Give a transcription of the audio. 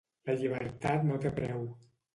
La llibertat no té preu